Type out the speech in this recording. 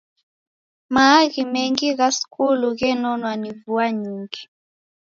Maaghi mengi gha skulu ghenonwa ni vua nyingi.